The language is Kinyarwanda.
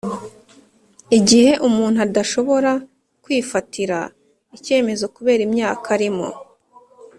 igihe umuntu adashobora kwifatira icyemezo kubera imyaka arimo,